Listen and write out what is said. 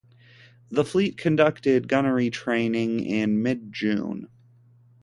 The fleet conducted gunnery training in mid-June.